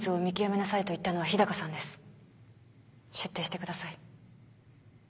出廷してください。